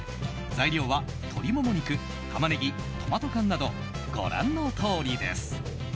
材料は、鶏もも肉、タマネギトマト缶など、ご覧のとおりです。